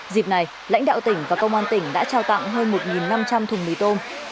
dịp này lãnh đạo tỉnh và công an tỉnh đã trao tặng hơn một năm trăm linh thùng mì tôm